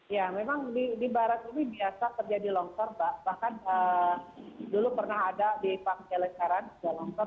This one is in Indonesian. ya memang di barat ini biasa terjadi longsor bahkan dulu pernah ada di pangkelengkaran longsor